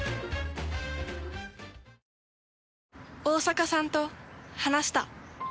大坂さんと話した。